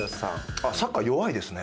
あっサッカー弱いですね。